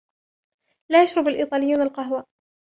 لا يشرب الإيطاليون القهوة.